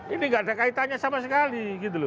ini tidak ada kaitannya sama sekali